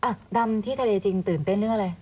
อ่ะดำที่ทะเลจริงตื่นเต้นเรื่องอะไร